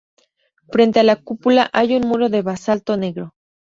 Frente a la cúpula hay un muro de basalto negro.